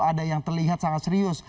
ada yang terlihat sangat serius